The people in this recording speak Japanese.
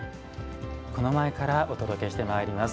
この前からお届けしてまいります。